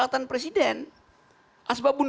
jadi musuhnya presiden membaca legitimasi itu pada rakyat